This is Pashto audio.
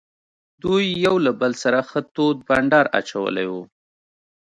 دوی یو له بل سره ښه تود بانډار اچولی وو.